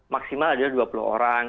maksimal adalah dua puluh orang